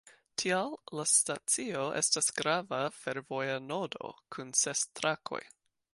Tial la stacio estas grava fervoja nodo, kun ses trakoj.